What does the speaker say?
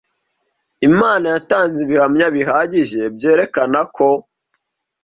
Imana yatanze ibihamya bihagije byerekana ko